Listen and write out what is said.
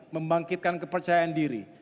membangkitkan kepercayaan diri